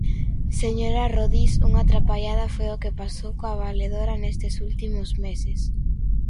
Señora Rodís, unha trapallada foi o que pasou coa valedora nestes últimos meses.